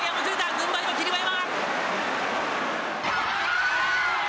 軍配は霧馬山。